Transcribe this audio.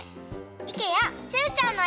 いけやしゅうちゃんのえ。